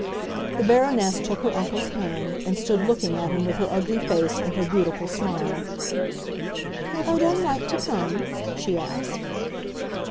The Baroness took her uncle's hand, and stood looking at him with her ugly face and her beautiful smile. "Have I done right to come?" she asked.